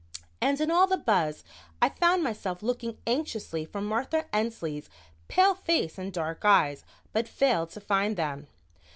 And in all the buzz I found myself looking anxiously for Martha Ensley's pale face and dark eyes, but failed to find them.